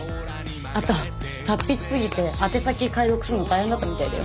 あと達筆すぎて宛先解読するの大変だったみたいだよ。